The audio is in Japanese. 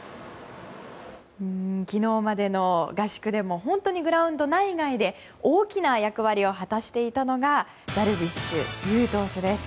昨日までの合宿でも本当にグラウンド内外で大きな役割を果たしていたのがダルビッシュ有投手です。